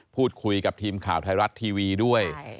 พูดคุยกับทีมข่าวไทยรัฐทีวีด้วย